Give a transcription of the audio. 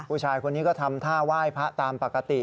ผู้ชายคนนี้ก็ทำท่าไหว้พระตามปกติ